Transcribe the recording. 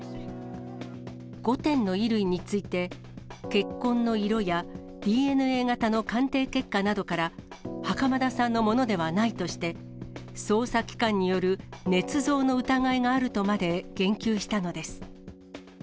５点の衣類について、血痕の色やＤＮＡ型の鑑定結果などから、袴田さんのものではないとして、捜査機関によるねつ造の疑いがあるとまで言及したのです。